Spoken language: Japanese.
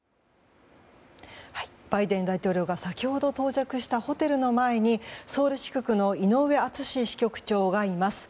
バイデン大統領が先ほど到着したホテルの前にソウル支局の井上敦支局長がいます。